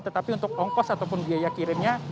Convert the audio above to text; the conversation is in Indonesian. tetapi untuk ongkos ataupun biaya kirimnya